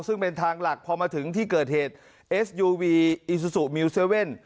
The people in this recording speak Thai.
ซึ่งเป็นทางหลักพอมาถึงที่เกิดเหตุเอสยูวีอีซูซูมิวเซเว่น